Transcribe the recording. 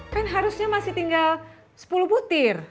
kan harusnya masih tinggal sepuluh butir